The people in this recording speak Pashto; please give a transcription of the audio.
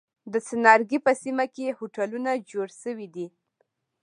د څنارګی په سیمه کی هوټلونه جوړ شوی دی.